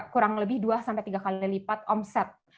kurang lebih dua tiga kali lipat omset